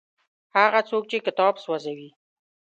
هغه څوک چې کتاب سوځوي.